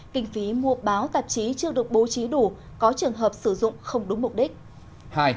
kinh phí mua báo tạp chí chưa được bố trí đủ có trường hợp sử dụng không đúng mục đích